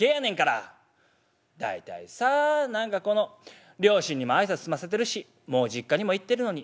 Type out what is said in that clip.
大体さあ何かこの両親にも挨拶済ませてるしもう実家にも行ってるのに」。